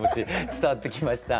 伝わってきました。